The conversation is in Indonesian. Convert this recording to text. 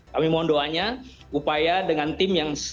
kami mohon doanya upaya dengan tim yang